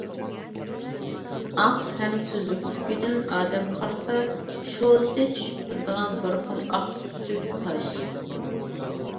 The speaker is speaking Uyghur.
ئاق ھەم سۈزۈكلۈكىدىن ئادەم قارىسا، شولىسى چۈشۈپ تۇرىدىغان بىر خىل ئاق سۈزۈك تاش.